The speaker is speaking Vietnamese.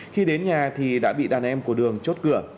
khi đến nhà thì đã bị đàn em của đường chốt cửa